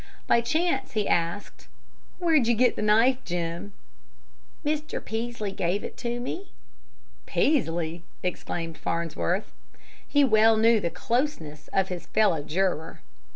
By chance he asked: "Where did you get the knife, Jim?" "Mr. Peaslee gave it to me." "Peaslee!" exclaimed Farnsworth. He well knew the "closeness" of his fellow juror.